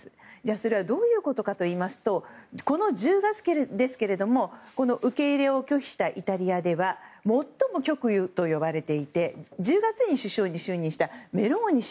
それはどういうことかといいますとこの１０月ですが受け入れを拒否したイタリアでは最も極右といわれていた１０月に首相に就任したメローニ氏。